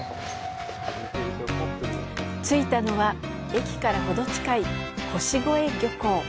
着いたのは、駅からほど近い腰越漁港。